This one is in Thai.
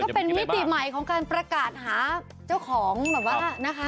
แต่ก็เป็นวิติใหม่ของการประกาศหาจ้าของแบบว่า